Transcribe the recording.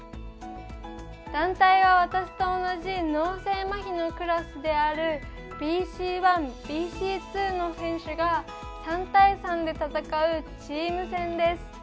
団体は私と同じ脳性まひのクラスであるＢＣ１、ＢＣ２の選手が３対３で戦うチーム戦です。